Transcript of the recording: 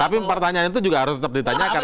tapi pertanyaan itu juga harus tetap ditanyakan